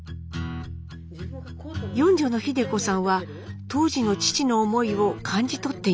４女の秀子さんは当時の父の思いを感じ取っていました。